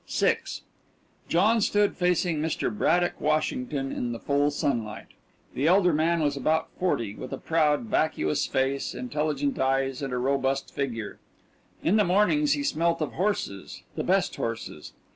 VI John stood facing Mr. Braddock Washington in the full sunlight. The elder man was about forty, with a proud, vacuous face, intelligent eyes, and a robust figure. In the mornings he smelt of horses the best horses.